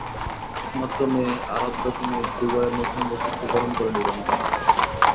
একমাত্র মেয়ে আরাধ্যকে নিয়ে দুবাইয়ে নতুন বছরকে বরণ করে নেবেন তাঁরা।